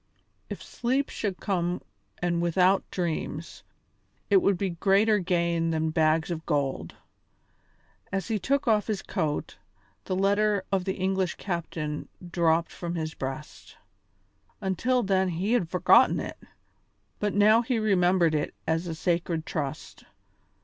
If sleep should come and without dreams, it would be greater gain than bags of gold. As he took off his coat, the letter of the English captain dropped from his breast. Until then he had forgotten it, but now he remembered it as a sacred trust.